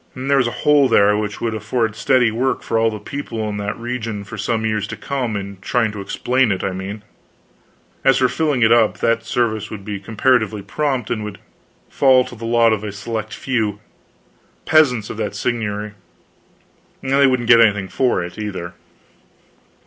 There was a hole there which would afford steady work for all the people in that region for some years to come in trying to explain it, I mean; as for filling it up, that service would be comparatively prompt, and would fall to the lot of a select few peasants of that seignory; and they wouldn't get anything for it, either.